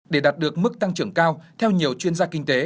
để đạt được mức tăng trưởng cao theo nhiều chuyên gia kinh tế